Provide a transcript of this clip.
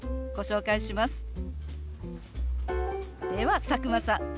では佐久間さん